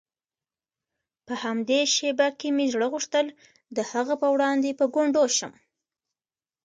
په همدې شېبه کې مې زړه غوښتل د هغه په وړاندې په ګونډو شم.